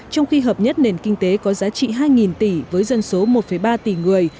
trong khi hợp nhất nền kinh tế có giá trị hai tỷ với dân số một ba tỷ người